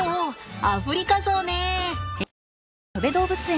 アフリカゾウね。